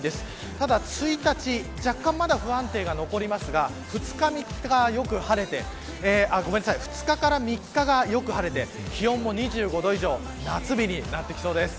ただ、１日若干まだ不安定が残りますが２日から３日がよく晴れて気温も２５度以上夏日になってきそうです。